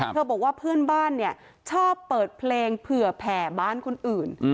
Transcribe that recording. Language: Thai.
บอกว่าเพื่อนบ้านเนี่ยชอบเปิดเพลงเผื่อแผ่บ้านคนอื่น